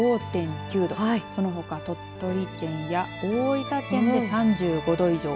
そのほか鳥取県や大分県で３５度以上。